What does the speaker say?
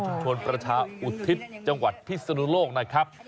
ชนประชาอุทิศจังหวัดพิศนุโลกนะครับ